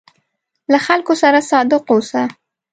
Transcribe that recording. له خلکو سره صادق اوسه.